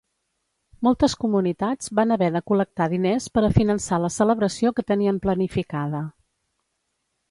Moltes comunitats van haver de col·lectar diners per a finançar la celebració que tenien planificada.